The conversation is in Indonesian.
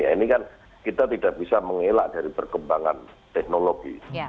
ini kan kita tidak bisa mengelak dari perkembangan teknologi